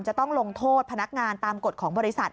จะต้องลงโทษพนักงานตามกฎของบริษัท